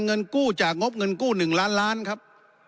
เงินกู้จากงบเงินกู้๑ล้านล้านครับ